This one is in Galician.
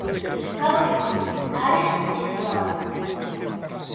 Cabo de Cruz, Ares e Tirán.